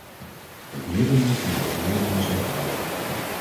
Het merendeel van de overledenen zijn vrouwen.